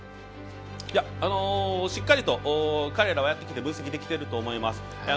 しっかりと彼らはやって分析できていると思います。